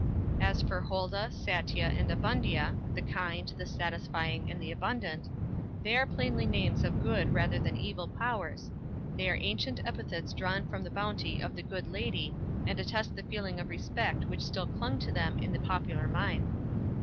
As for Holda, Satia, and Abundia, "the kind", "the satisfying", and "the abundant", they are plainly names of good rather than evil powers; they are ancient epithets drawn from the bounty of the "Good Lady", and attest the feeling of respect which still clung to them in the popular mind.